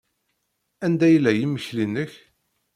Anda yella yimekli-nnek?